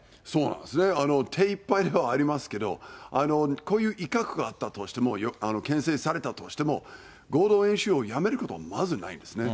手いっぱいではありますけれども、こういう威嚇があったとしても、けん制されたとしても、合同演習をやめることはまずないですね。